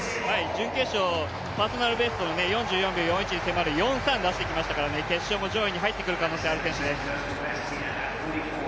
準決勝、パーソナルベスト４４秒４１に迫る４３出してきましたからね、決勝も上位に入ってくる可能性ありますね。